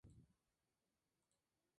Se formo en el Santos de su natal Brasil.